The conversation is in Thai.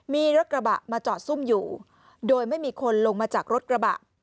มีรถกระบะมาจอดซุ่มอยู่โดยไม่มีคนลงมาจากรถกระบะ